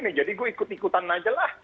nih jadi gue ikut ikutan aja lah